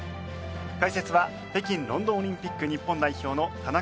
解説は北京・ロンドンオリンピック日本代表の田中琴乃さんです。